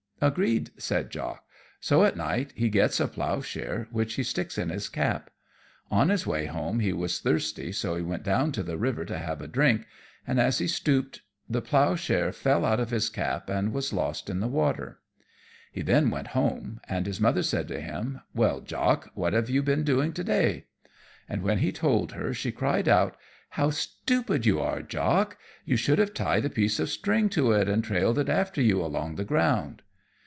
"Agreed," said Jock. So at night he gets a plough share, which he sticks in his cap. On his way home he was thirsty, so he went down to the river to have a drink, and as he stooped the plough share fell out of his cap and was lost in the water. He then went home, and his Mother said to him, "Well, Jock, what have you been doing to day?" And when he told her she cried out, "How stupid you are, Jock! you should have tied a piece of string to it and trailed it after you along the ground."